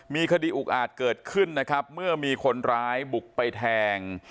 มีคดีอุกอาจเกิดขึ้นนะครับเมื่อมีคนร้ายบุกไปแทง